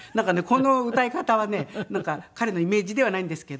この歌い方はね彼のイメージではないんですけど。